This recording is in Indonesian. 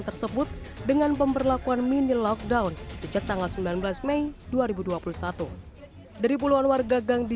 tersebut dengan pemberlakuan mini lockdown sejak tanggal sembilan belas mei dua ribu dua puluh satu dari puluhan warga gang di